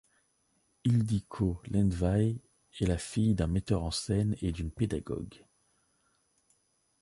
Ildikó Lendvai est la fille d'un metteur en scène et d'une pédagogue.